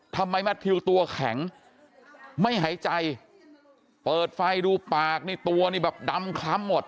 แมททิวตัวแข็งไม่หายใจเปิดไฟดูปากนี่ตัวนี่แบบดำคล้ำหมด